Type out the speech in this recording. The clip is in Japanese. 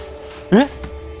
えっ！